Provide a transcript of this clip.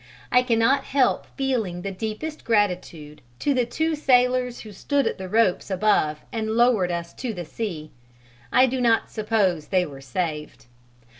I cannot help feeling the deepest gratitude to the two sailors who stood at the ropes above and lowered us to the sea: I do not suppose they were saved.